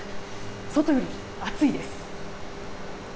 外よりも暑いです。